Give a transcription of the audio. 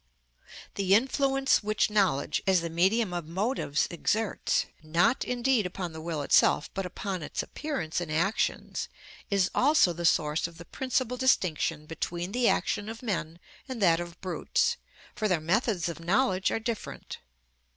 The influence which knowledge, as the medium of motives, exerts, not indeed upon the will itself, but upon its appearance in actions, is also the source of the principal distinction between the action of men and that of brutes, for their methods of knowledge are different.